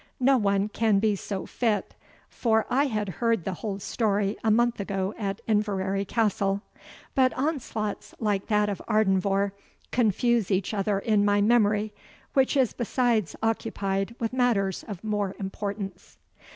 No one can be so fit, for I had heard the whole story a month ago at Inverary castle but onslaughts like that of Ardenvohr confuse each other in my memory, which is besides occupied with matters of more importance."